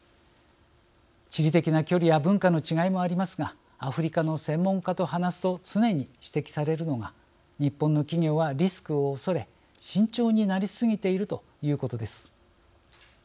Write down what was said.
地理的な距離や文化の違いもありますがアフリカの専門家と話すと常に指摘されるのが日本の企業はリスクをおそれ慎重になりすぎているということです。